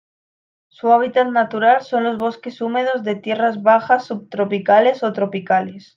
Su hábitat natural son los bosques húmedos de tierras bajas subtropicales o tropicales.